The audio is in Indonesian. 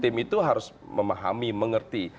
tim itu harus memahami mengerti